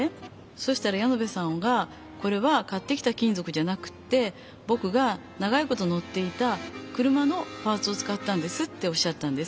そしたらヤノベさんが「これは買ってきた金ぞくじゃなくてぼくが長いことのっていた車のパーツをつかったんです」っておっしゃったんです。